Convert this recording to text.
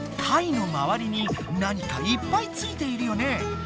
貝のまわりに何かいっぱいついているよね。